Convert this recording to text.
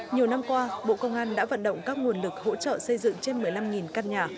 nhiều năm qua bộ công an đã vận động các nguồn lực hỗ trợ xây dựng trên một mươi năm căn nhà